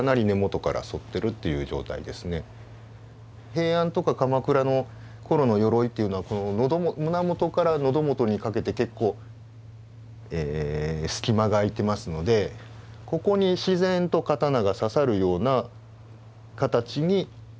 平安とか鎌倉の頃のよろいというのは胸元から喉元にかけて結構隙間が空いてますのでここに自然と刀が刺さるような形になってるわけです。